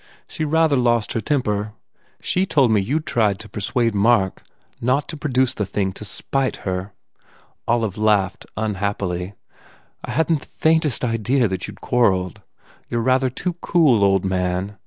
She rather lost her temper. She told me you d tried to per suade Mark not to produce the thing to spite her. I " Olive laughed unhappily, "I hadn t the faintest idea that you d quarrelled. You re rather too cool, old man.